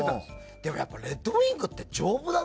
でもレッドウィングって丈夫だね。